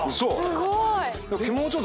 すごーい！